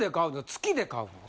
月で買うの？